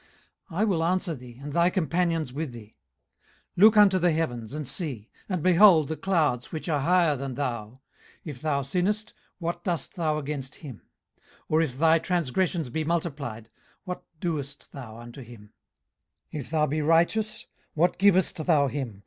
18:035:004 I will answer thee, and thy companions with thee. 18:035:005 Look unto the heavens, and see; and behold the clouds which are higher than thou. 18:035:006 If thou sinnest, what doest thou against him? or if thy transgressions be multiplied, what doest thou unto him? 18:035:007 If thou be righteous, what givest thou him?